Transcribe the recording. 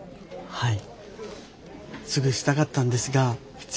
はい。